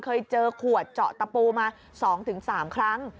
เคยเจอขวดเจาะตะปูมา๒๓ครั้ง